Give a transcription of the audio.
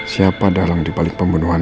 siapa dalang dibalik pembunuhan